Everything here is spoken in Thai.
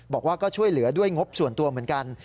บอกว่าก็ช่วยเหลือด้วยงบส่วนตัวเหมือนกัน